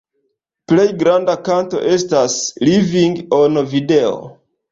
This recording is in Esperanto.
Plej granda kanto estas „Living on Video”.